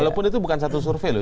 walaupun itu bukan satu survei loh